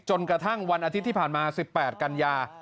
จนกระทั่งวันอาทิตย์ที่ผ่านมา๑๘กันยา